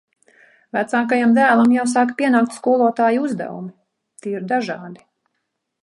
Vecākajam dēlam jau sāk pienākt skolotāju uzdevumi. Tie ir dažādi.